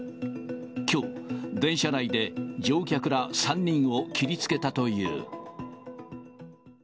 きょう、電車内で乗客ら３人を切りつけたという。